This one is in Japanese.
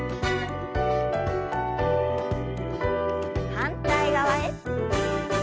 反対側へ。